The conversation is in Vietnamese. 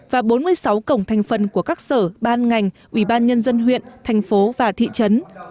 và bốn mươi sáu cổng thành phần của các sở ban ngành ủy ban nhân dân huyện thành phố và thị trấn